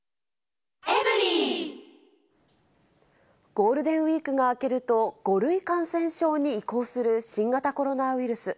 ゴールデンウィークが明けると、５類感染症に移行する新型コロナウイルス。